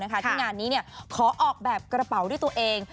ที่งานนี้ขอออกแบบกระเป๋าด้วยตัวเอง